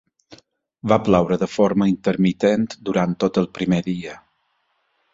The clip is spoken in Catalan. Va ploure de forma intermitent durant tot el primer dia.